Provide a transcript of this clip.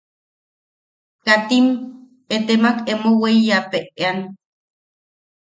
Katim etemak emo weiyapeʼean.